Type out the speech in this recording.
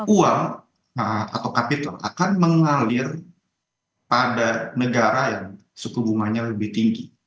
uang atau kapital akan mengalir pada negara yang suku bunganya lebih tinggi